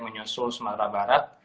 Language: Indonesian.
menyusul sumatera barat